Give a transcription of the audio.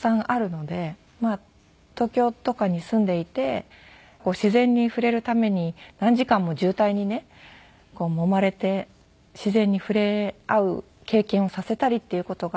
東京とかに住んでいて自然に触れるために何時間も渋滞にねもまれて自然に触れ合う経験をさせたりっていう事がしなくていいので。